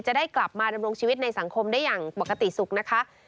จะได้กลับมาดำรงชีวิตในสังคมได้อย่างปกติสุขนะคะ